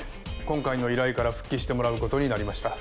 今回の依頼から復帰してもらう事になりました。